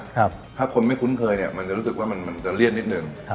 ถ้าคนไม่คุ้นเคยเนี่ยมันจะรู้สึกว่ามันจะเลี่ยนนิดนึง